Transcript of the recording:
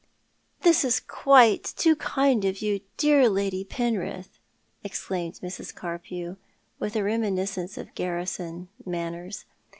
" This is quite too kind of you, dear Lady Penrith," exclaimed Blrs. Carpew, with a reminiscence of garrison manners.